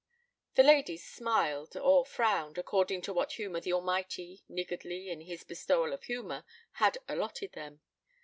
The ladies smiled or frowned, according to what humor the Almighty, niggardly in his bestowal of humor, had allotted them.